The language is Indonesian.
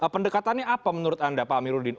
pendekatannya apa menurut anda pak amiruddin